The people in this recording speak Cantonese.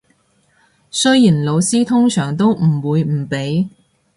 雖然老師通常都唔會唔俾